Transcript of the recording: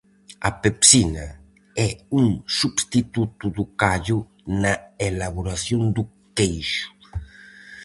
A pepsina é un substituto do callo na elaboración do queixo.